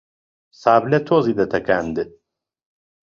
سابلە تۆزی دەتەکاند